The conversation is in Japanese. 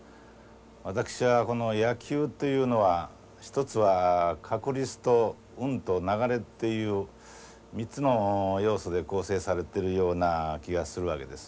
私はこの野球というのは一つは確率と運と流れっていう３つの要素で構成されてるような気がするわけです。